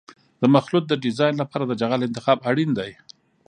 د مخلوط د ډیزاین لپاره د جغل انتخاب اړین دی